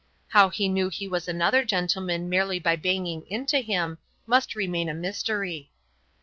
How he knew he was another gentleman merely by banging into him, must remain a mystery.